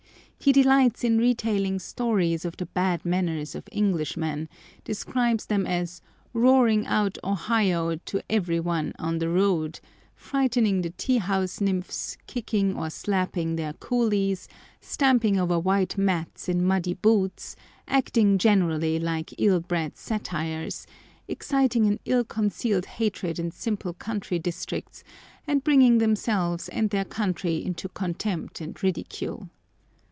He delights in retailing stories of the bad manners of Englishmen, describes them as "roaring out ohio to every one on the road," frightening the tea house nymphs, kicking or slapping their coolies, stamping over white mats in muddy boots, acting generally like ill bred Satyrs, exciting an ill concealed hatred in simple country districts, and bringing themselves and their country into contempt and ridicule.